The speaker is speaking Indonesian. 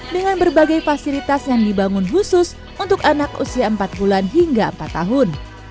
dengan berbagai fasilitas yang dibangun khusus untuk anak usia empat bulan hingga empat tahun